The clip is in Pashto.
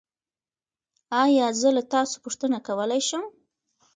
ایا زه له تاسو پوښتنه کولی شم؟